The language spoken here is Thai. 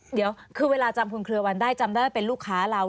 เดี๋ยวคือเวลาจำคุณเครือวันได้จำได้ว่าเป็นลูกค้าเรา